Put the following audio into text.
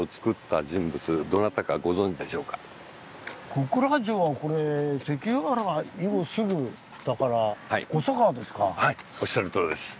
小倉城はこれ関ケ原以後すぐだからはいおっしゃるとおりです。